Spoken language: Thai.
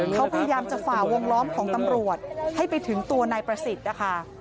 เขาพยายามจะฝ่าวงล้อมของตำรวจให้ไปถึงตัวนายประสิทธิ์นะคะ